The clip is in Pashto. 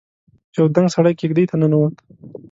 يو دنګ سړی کېږدۍ ته ننوت.